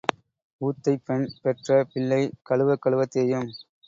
ஊத்தைப் பெண் பெற்ற பிள்ளை கழுவக் கழுவத் தேயும்.